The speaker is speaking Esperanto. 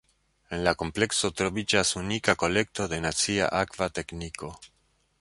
En la komplekso troviĝas unika kolekto de nacia akva tekniko.